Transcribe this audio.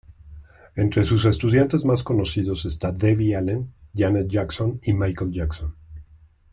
Entre sus estudiantes más conocidos está Debbie Allen, Janet Jackson y Michael Jackson.